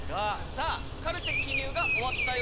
さあカルテ記入が終わったようです。